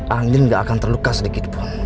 andin gak akan terluka sedikit pun